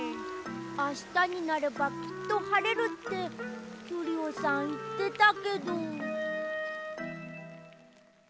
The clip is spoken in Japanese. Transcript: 「あしたになればきっとはれる」ってキュリオさんいってたけど。